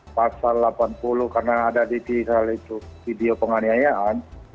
pasal delapan puluh karena ada di video penganiayaan